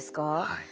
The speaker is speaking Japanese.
はい。